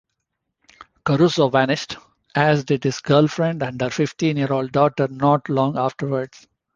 Caruso vanished, as did his girlfriend and her fifteen-year-old daughter not long afterwards.